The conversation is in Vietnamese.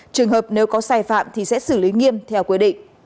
trường hợp nếu có sai phạm thì sẽ xử lý nghiêm theo quy định